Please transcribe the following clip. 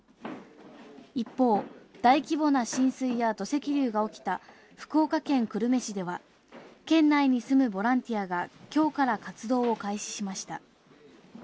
一方、大規模な浸水や土石流が起きた福岡県久留米市では、県内に住むボランティアがきょうから活動を開始しました。